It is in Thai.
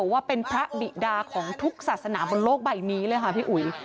ว่าเป็นพระบิดาของทุกศาสนาบนโลกใบนี้เลยค่ะพี่อุ๋ย